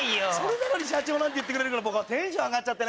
なのに社長なんて言ってくれるの僕はテンション上がっちゃって。